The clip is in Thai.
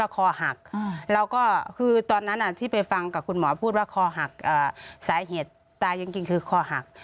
คอหักสาเหตุตายจริงคือคอหัก